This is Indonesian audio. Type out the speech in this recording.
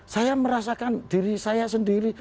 saya merasakan diri saya sendiri